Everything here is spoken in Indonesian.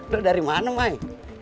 lu dari mana mai